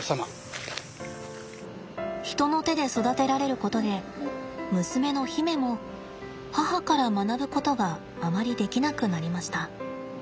人の手で育てられることで娘の媛も母から学ぶことがあまりできなくなりました。